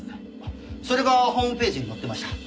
それがホームページに載ってました。